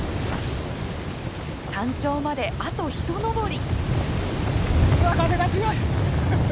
山頂まであとひと登り！